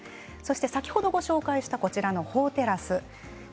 先ほどご紹介した法テラスです。